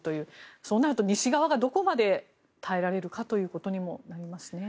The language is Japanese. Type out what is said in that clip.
そうなると西側が、どこまで耐えられるかにもなりますね。